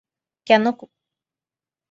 কেন করিবেন না।